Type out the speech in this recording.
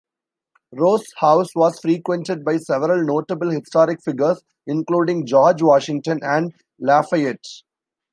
Ross's house was frequented by several notable historic figures, including George Washington and Lafayette.